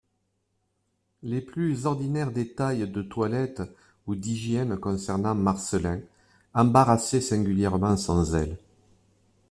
Les plus ordinaires détails de toilette ou d'hygiène concernant Marcelin embarrassaient singulièrement son zèle.